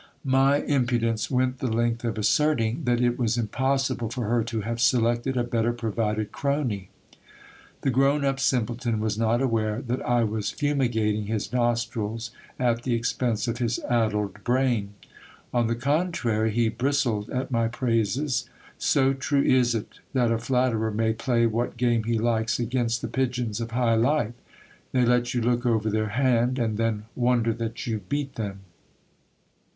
My impudence went the length of asserting, that it was impossible for her to have selected a better provided crony. The grown up simpleton was not aware that I was fumigating his nostrils at the expense of" his addled brain ; on the contrary, he bristled at my praises ; so true is it, that a flatterer may play what game he likes against the pigeons of high life ! They let you look over their hand, and then wonder that you beat them.